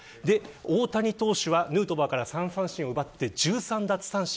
大谷投手はヌートバーから３三振を奪い、１３奪三振。